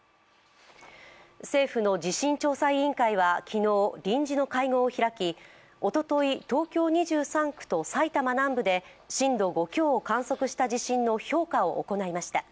政府の地震調査委員会は昨日、臨時の会合を開きおととい東京２３区と埼玉南部で震度５強を観測した地震の評価を行いました。